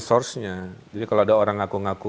sourcenya jadi kalau ada orang ngaku ngaku